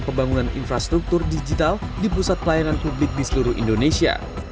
pembangunan infrastruktur digital di pusat pelayanan publik di seluruh indonesia